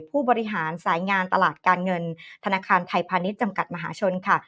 ผู้บริหารสายงานตลาดการเงินธนาคารไทยพาณิชย์จำกัดมหาชนค่ะ